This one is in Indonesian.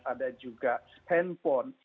ada juga handphone